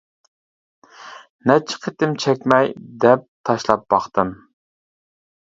نەچچە قېتىم چەكمەي دەپ تاشلاپ باقتىم.